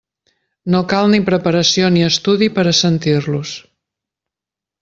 No cal ni preparació ni estudi per a sentir-los.